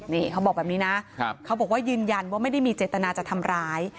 นี่เขาบอกแบบนี้นะเขาบอกว่ายืนยันว่าไม่ได้มีเจตนาจะทำร้าย